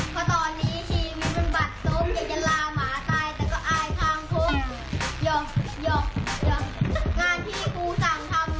เพราะตอนนี้ชีวิตมันบัดตก